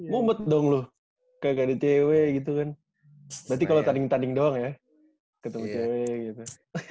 mumpet dong lu gak ada cewek gitu kan berarti kalo taning taning doang ya ketemu cewek gitu